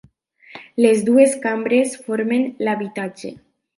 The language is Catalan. Les dues cambres formen l'habitatge.